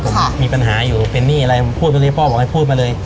ผมมีปัญหาอยู่เป็นหนี้อะไรผมพูดไปเลยพ่อบอกให้พูดมาเลย